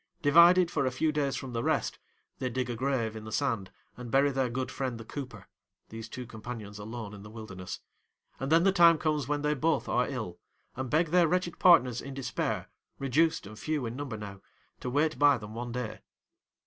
Divided for a few days from the rest, they dig a grave in the sand and bury their good friend the cooper—these two companions alone in the wilderness—and then the time comes when they both are ill, and beg their wretched partners in despair, reduced and few in number now, to wait by them one day.